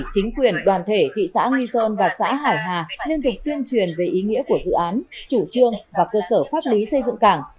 chính quyền đoàn thể thị xã nghi sơn và xã hải hà liên tục tuyên truyền về ý nghĩa của dự án chủ trương và cơ sở pháp lý xây dựng cảng